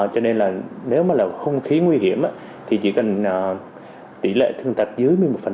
cho nên là nếu mà là không khí nguy hiểm thì chỉ cần tỷ lệ thương tật dưới một mươi một